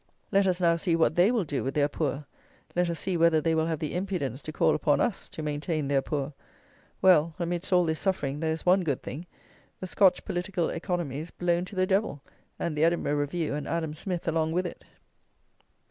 Let us now see what they will do with their poor. Let us see whether they will have the impudence to call upon us to maintain their poor! Well, amidst all this suffering, there is one good thing; the Scotch political economy is blown to the devil, and the Edinburgh Review and Adam Smith along with it.